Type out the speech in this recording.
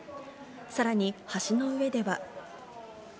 さらに、橋の上では。